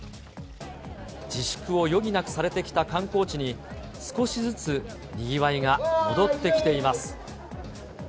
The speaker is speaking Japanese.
自粛を余儀なくされてきた観光地に、少しずつにぎわいが戻ってきています。